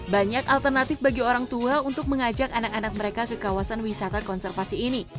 banyak alternatif bagi orang tua untuk mengajak anak anak mereka ke kawasan wisata konservasi ini